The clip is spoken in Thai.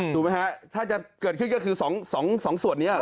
ถูกมั้ยฮะถ้าจะเกิดขึ้นก็คือ๒ส่วนนี้เหรอ